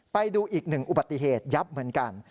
ไปดูอีกหนึ่งอุบัติเหตุยับเหมือนกัน